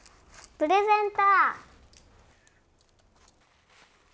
プレゼント？